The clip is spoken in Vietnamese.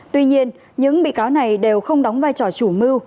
tuy nhiên những bị cáo này đều không đóng vai trò chủ mưu